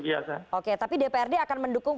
biasa oke tapi dprd akan mendukung